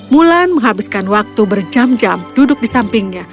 mulan menghabiskan waktu berjam jam duduk di sampingnya